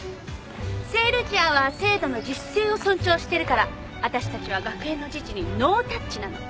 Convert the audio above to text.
聖ルチアは生徒の自主性を尊重してるからわたしたちは学園の自治にノータッチなの。